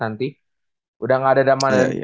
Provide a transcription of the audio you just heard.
nanti udah gak ada damai